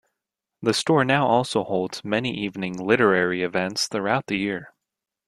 The store now also holds many evening literary events throughout the year.